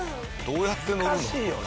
どうやって乗るの？